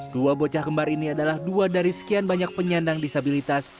dua bocah kembar ini adalah dua dari sekian banyak penyandang disabilitas